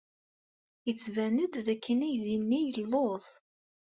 Yettban-d dakken aydi-nni yelluẓ.